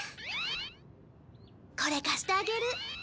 これ貸してあげる。